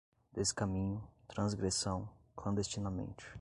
descaminho, transgressão, clandestinamente